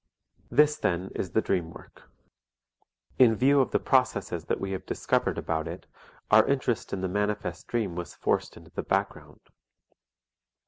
This, then, is the dream work. In view of the processes that we have discovered about it, our interest in the manifest dream was forced into the background.